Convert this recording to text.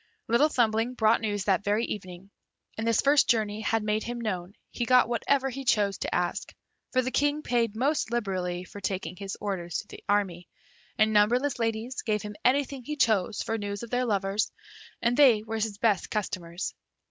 Little Thumbling brought news that very evening, and this first journey having made him known, he got whatever he chose to ask; for the King paid most liberally for taking his orders to the army, and numberless ladies gave him anything he chose for news of their lovers, and they were his best customers.